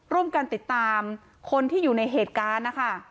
ร่วมกันติดตามคนที่อยู่ในเหตุการณ์นะคะ